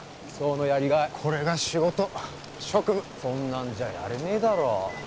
機捜のやりがいこれが仕事職務そんなんじゃやれねえだろう